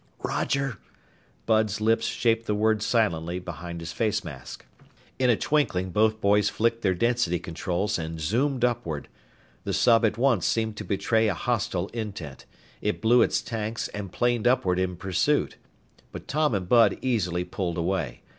"Roger!" Bud's lips shaped the word silently behind his face mask. In a twinkling both boys flicked their density controls and zoomed upward. The sub at once seemed to betray a hostile intent. It blew its tanks and planed upward in pursuit. But Tom and Bud easily pulled away.